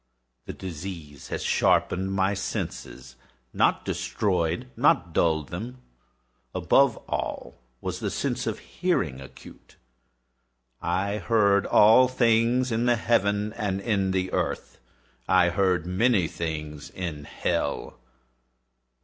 The disease had sharpened my senses—not destroyed—not dulled them. Above all was the sense of hearing acute. I heard all things in the heaven and in the earth. I heard many things in hell.